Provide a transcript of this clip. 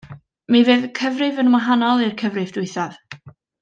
Mi fydd y cyfrif yn wahanol i'r cyfrif diwethaf.